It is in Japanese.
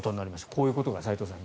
こういうことが齋藤さん